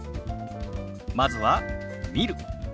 まずは「見る」。